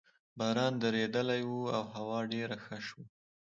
باران درېدلی وو او هوا ډېره ښه شوې وه.